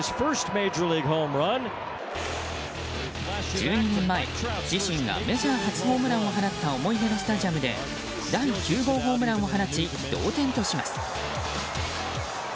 １２年前、自身がメジャー初ホームランを放った思い出のスタジアムで第９号ホームランを放ち同点とします。